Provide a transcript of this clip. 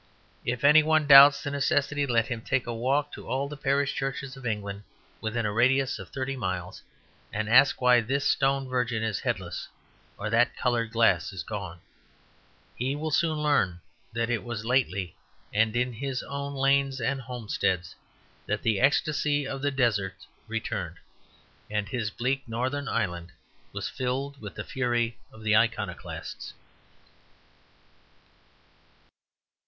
If any one doubts the necessity, let him take a walk to all the parish churches in England within a radius of thirty miles, and ask why this stone virgin is headless or that coloured glass is gone. He will soon learn that it was lately, and in his own lanes and homesteads, that the ecstasy of the deserts returned, and his bleak northern island was filled with the fury of the Iconoclasts.